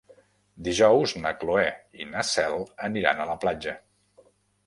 Dijous na Cloè i na Cel aniran a la platja.